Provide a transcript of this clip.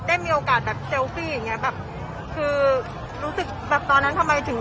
ไปส่งสอบความรักของพระองค์ที่มีต่อประชาชน